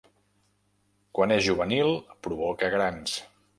Quan és juvenil provoca grans.